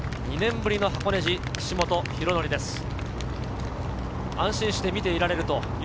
２年ぶりの箱根路、岸本大紀です。